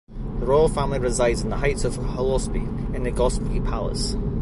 The royal family resides in the heights of Hollsopple, in the Gehosky Palace.